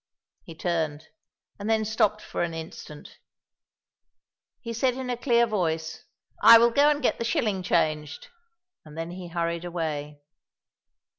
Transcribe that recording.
He turned, and then stopped for an instant. He said in a clear voice: "I will go and get the shilling changed." And then he hurried away.